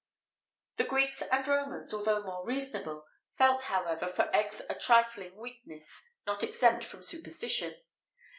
[XVIII 66] The Greeks and Romans, although more reasonable, felt, however, for eggs a trifling weakness not exempt from superstition.